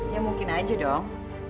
ya mungkin aja dong